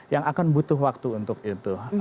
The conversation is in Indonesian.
yang akan butuh waktu untuk itu